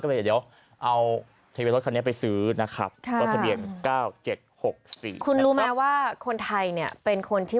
หรือเอาใครแบบนี้ไปซื้อนะครับแคร์สิ่ง๙๖๔คุนรู้ไม่ว่าคนไทยเนี่ยเป็นคนที่